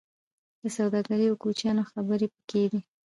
د سوداګرۍ او کوچیانو خبرې پکې دي.